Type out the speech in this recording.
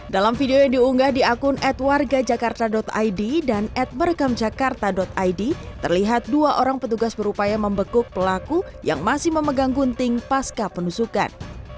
dalam video yang diunggah di akun adwargajakarta id dan admerekam jakarta id terlihat dua orang petugas berupaya membekuk pelaku yang masih memegang gunting pasca penusukan